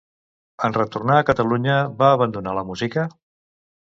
En retornar a Catalunya va abandonar la música?